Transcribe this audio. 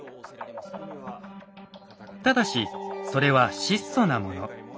ただしそれは質素なもの。